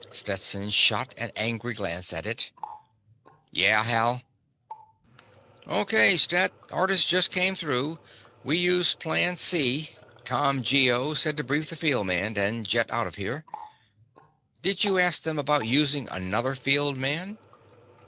Stetson shot an angry glance at it. "Yeah, Hal?" "O.K., Stet. Orders just came through. We use Plan C. ComGO says to brief the field man, and jet out of here." "Did you ask them about using another field man?"